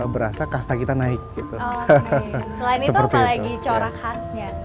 berasa kasta kita naik gitu selain seperti lagi corak khasnya